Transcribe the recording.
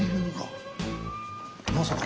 まさか。